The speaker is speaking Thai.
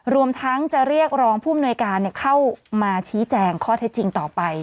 รวมทั้งจะเรียกรองผู้อำนวยการเข้ามาชี้แจงข้อเท็จจริงต่อไป